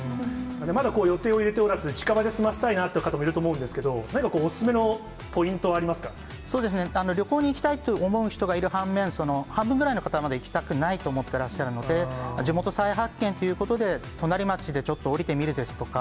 まだ予定を入れておらず、近場で済ませたいなって方もいると思うんですけど、何かお勧めのそうですね、旅行に行きたいって思う方がいる反面、半分ぐらいの方は、まだ行きたくないと思ってらっしゃるので、地元再発見ということで、隣町でちょっと降りてみるですとか。